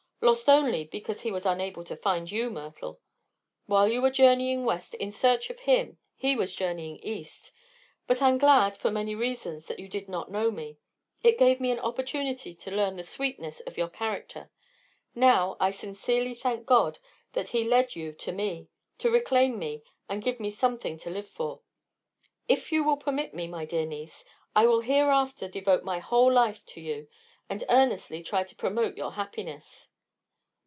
Lost only because he was unable to find you, Myrtle. While you were journeying West in search of him he was journeying East. But I'm glad, for many reasons, that you did not know me. It gave me an opportunity to learn the sweetness of your character. Now I sincerely thank God that He led you to me, to reclaim me and give me something to live for. If you will permit me, my dear niece, I will hereafter devote my whole life to you, and earnestly try to promote your happiness."